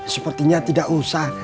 sepertinya tidak usah